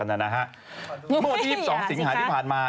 เมื่อ๒๒สิงหาที่ผ่านมา